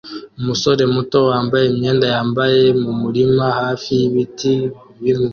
Umusore muto wambaye imyenda yambaye mumurima hafi yibiti bimwe